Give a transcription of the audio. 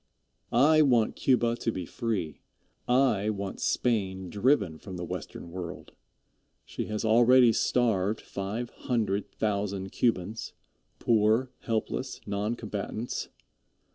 I want Cuba to be free. I want Spain driven from the Western World. She has already starved five hundred thousand Cubans poor, helpless non combatants.